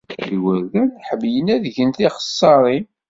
Igerdan ḥemmlen ad gen tixeṣṣarin.